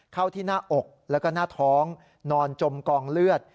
เข้าที่หน้าอกแล้วก็หน้าท้องนอนจมกองเลือด